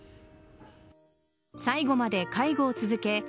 最期まで介護を続け